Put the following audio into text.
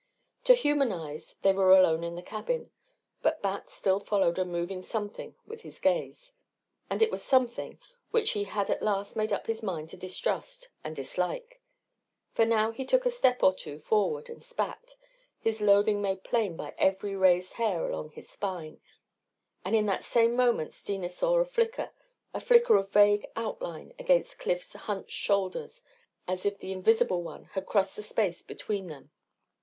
To human eyes they were alone in the cabin. But Bat still followed a moving something with his gaze. And it was something which he had at last made up his mind to distrust and dislike. For now he took a step or two forward and spat his loathing made plain by every raised hair along his spine. And in that same moment Steena saw a flicker a flicker of vague outline against Cliff's hunched shoulders as if the invisible one had crossed the space between them.